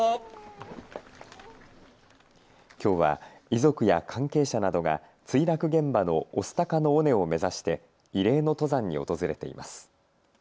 きょうは遺族や関係者などが墜落現場の御巣鷹の尾根を目指して慰霊の登山に訪れています。